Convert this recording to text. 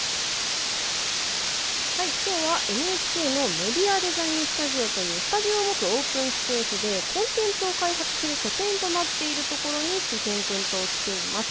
きょうはＮＨＫのメディアデザインスタジオというスタジオを持つオープンスペースで拠点となっている所にしゅと犬くんときています。